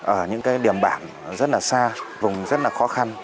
ở những điểm bản rất xa vùng rất khó khăn